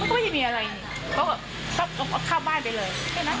เขาก็ไม่ได้มีอะไรเขาก็เข้าบ้านได้เลย